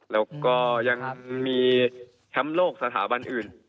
แล้วก็ยังมีแชมป์โลกสถาบันอื่น